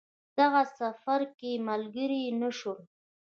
دغه سفر کې ملګري نه شول.